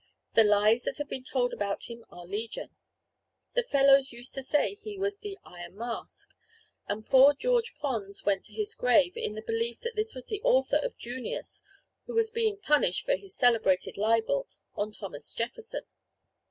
The lies that have been told about him are legion. The fellows used to say he was the "Iron Mask;" and poor George Pons went to his grave in the belief that this was the author of "Junius," who was being punished for his celebrated libel on Thomas Jefferson.